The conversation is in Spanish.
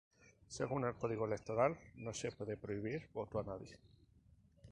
Según el código electoral, no se puede prohibir voto a nadie.